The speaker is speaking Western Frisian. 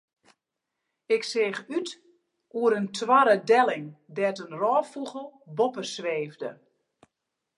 Ik seach út oer in toarre delling dêr't in rôffûgel boppe sweefde.